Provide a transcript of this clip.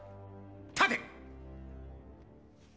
立て！